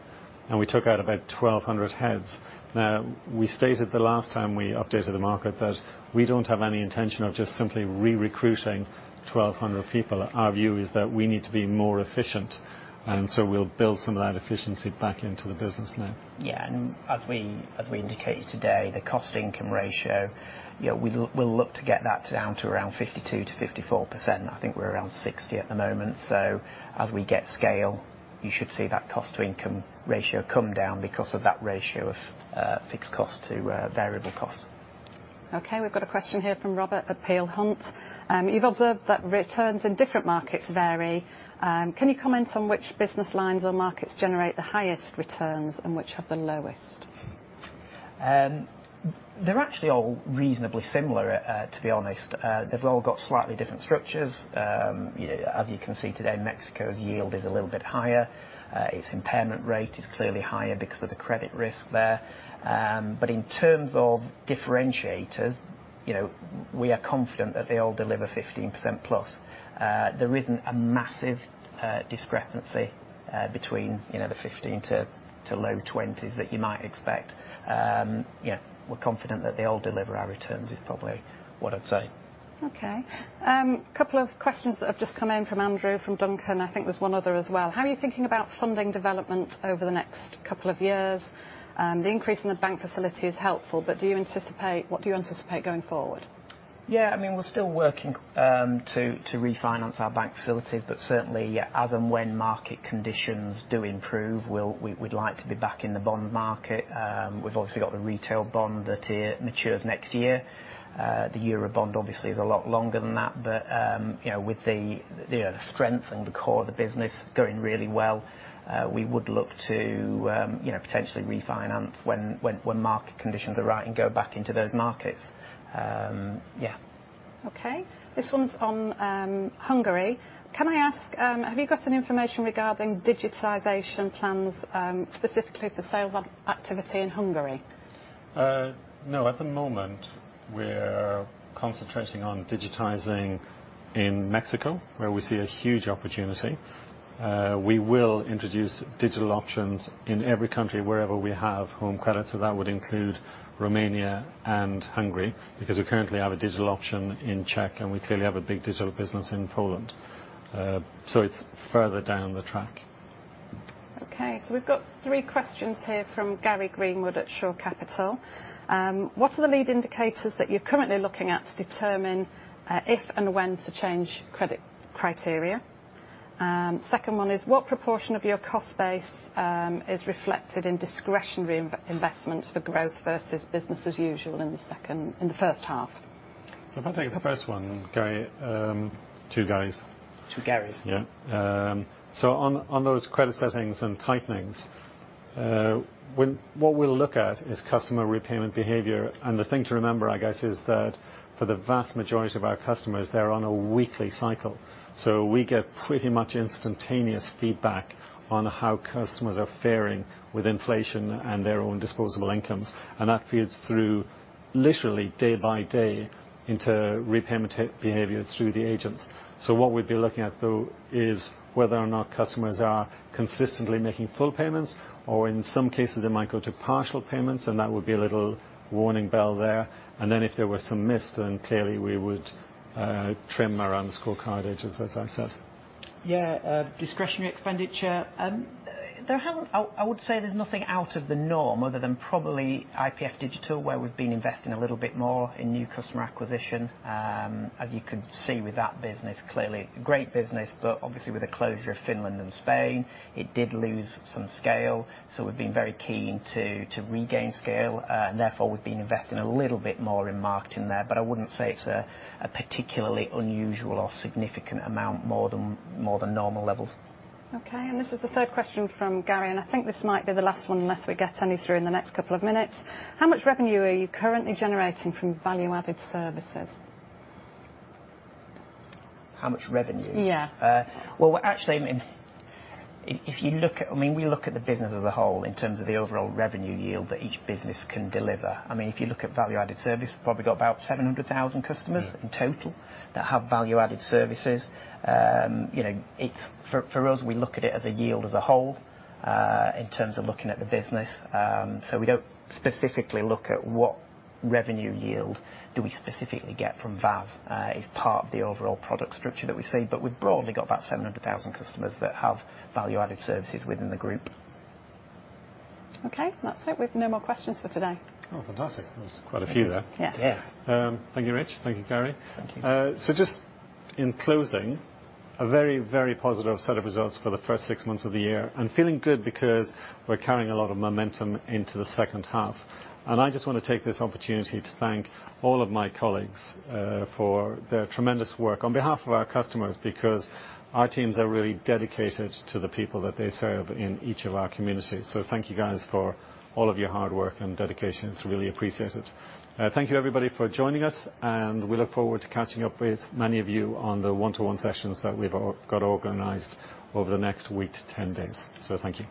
and we took out about 1,200 heads. Now, we stated the last time we updated the market that we don't have any intention of just simply recruiting 1,200 people. Our view is that we need to be more efficient, and so we'll build some of that efficiency back into the business now. Yeah. As we indicated today, the cost to income ratio, you know, we'll look to get that down to around 52%-54%. I think we're around 60% at the moment. As we get scale, you should see that cost to income ratio come down because of that ratio of fixed cost to variable cost. Okay, we've got a question here from Robert at Peel Hunt. "You've observed that returns in different markets vary. Can you comment on which business lines or markets generate the highest returns and which have the lowest? They're actually all reasonably similar, to be honest. They've all got slightly different structures. As you can see today, Mexico's yield is a little bit higher. Its impairment rate is clearly higher because of the credit risk there. But in terms of differentiators, you know, we are confident that they all deliver 15%+. There isn't a massive discrepancy between, you know, the 15 to low 20s that you might expect. You know, we're confident that they all deliver our returns is probably what I'd say. Okay. Couple of questions that have just come in from Andrew, from Duncan. I think there's one other as well. How are you thinking about funding development over the next couple of years? The increase in the bank facility is helpful, but what do you anticipate going forward? Yeah. I mean, we're still working to refinance our bank facilities. Certainly, yeah, as and when market conditions do improve, we'd like to be back in the bond market. We've obviously got the retail bond that matures next year. The Euro bond obviously is a lot longer than that. You know, with the strength and the core of the business going really well, we would look to you know, potentially refinance when market conditions are right and go back into those markets. Yeah. Okay. This one's on Hungary. Can I ask, have you got any information regarding digitalization plans, specifically for sales activity in Hungary? No. At the moment, we're concentrating on digitizing in Mexico, where we see a huge opportunity. We will introduce digital options in every country wherever we have home credit, so that would include Romania and Hungary. Because we currently have a digital option in Czech, and we clearly have a big digital business in Poland. It's further down the track. Okay. We've got three questions here from Gary Greenwood at Shore Capital. What are the lead indicators that you're currently looking at to determine if and when to change credit criteria? Second one is, what proportion of your cost base is reflected in discretionary investment for growth versus business as usual in the first half? If I take the first one, Gary. Two Gary's. Two Gary's. Yeah. On those credit settings and tighten-ings, what we'll look at is customer repayment behavior. The thing to remember, I guess, is that for the vast majority of our customers, they're on a weekly cycle. We get pretty much instantaneous feedback on how customers are faring with inflation and their own disposable incomes, and that feeds through literally day by day into repayment behavior through the agents. What we'd be looking at, though, is whether or not customers are consistently making full payments, or in some cases, they might go to partial payments, and that would be a little warning bell there. Then if there were some missed, then clearly we would trim our scorecards, as I said. Discretionary expenditure. I would say there's nothing out of the norm other than probably IPF Digital, where we've been investing a little bit more in new customer acquisition. As you can see with that business, clearly great business, but obviously with the closure of Finland and Spain, it did lose some scale, so we've been very keen to regain scale. Therefore, we've been investing a little bit more in marketing there. I wouldn't say it's a particularly unusual or significant amount more than normal levels. Okay. This is the third question from Gary, and I think this might be the last one unless we get any through in the next couple of minutes. How much revenue are you currently generating from value-added services? How much revenue? Yeah. Well, I mean, we look at the business as a whole in terms of the overall revenue yield that each business can deliver. I mean, if you look at value-added service, we've probably got about 700,000 customers. Mm. in total that have value-added services. You know, it's for us, we look at it as a yield as a whole, in terms of looking at the business. We don't specifically look at what revenue yield do we specifically get from VAS as part of the overall product structure that we see, but we've broadly got about 700,000 customers that have value-added services within the group. Okay. That's it. We've no more questions for today. Oh, fantastic. There was quite a few there. Yeah. Yeah. Thank you, Rich. Thank you, Gary. Thank you. Just in closing, a very, very positive set of results for the first six months of the year, and feeling good because we're carrying a lot of momentum into the second half. I just want to take this opportunity to thank all of my colleagues for their tremendous work on behalf of our customers, because our teams are really dedicated to the people that they serve in each of our communities. Thank you guys for all of your hard work and dedication. It's really appreciated. Thank you everybody for joining us, and we look forward to catching up with many of you on the one-to-one sessions that we've all got organized over the next week to 10 days. Thank you.